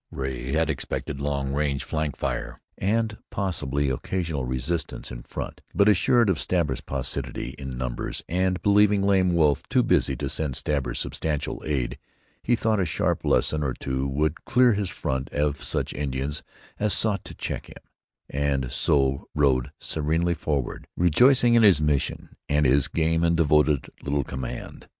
Ray had expected long range flank fire, and possibly occasional resistance in front; but, assured of Stabber's paucity in numbers and believing Lame Wolf too busy to send Stabber substantial aid, he thought a sharp lesson or two would clear his front of such Indians as sought to check him, and so rode serenely forward, rejoicing in his mission and in his game and devoted little command.